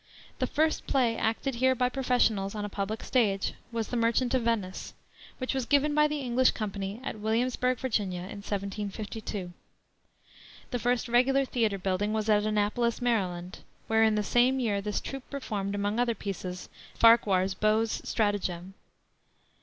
The first play acted here by professionals on a public stage was the Merchant of Venice, which was given by the English company at Williamsburg, Va., in 1752. The first regular theater building was at Annapolis, Md., where in the same year this troupe performed, among other pieces, Farquhar's Beaux' Stratagem.